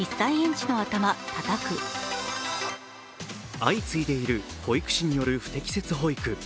相次いでいる保育士による不適切保育。